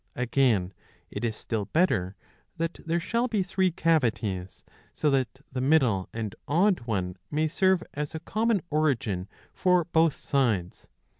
Again it is still better that there shall be three cavities, so that the middle and odd one may serve as a common origin for both sides.